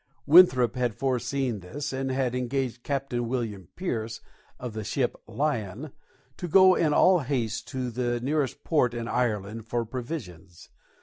Winthrop had foreseen this and had engaged Captain William Pierce, of the ship Lion, to go in all haste to the nearest port in Ireland for provisions.